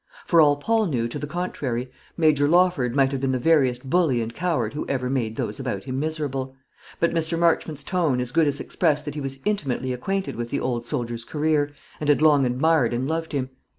For all Paul knew to the contrary, Major Lawford might have been the veriest bully and coward who ever made those about him miserable; but Mr. Marchmont's tone as good as expressed that he was intimately acquainted with the old soldier's career, and had long admired and loved him.